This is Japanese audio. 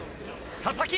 佐々木